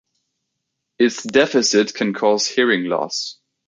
Its deficit can cause hearing loss.